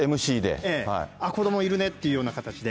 子どもいるねっていうような形で。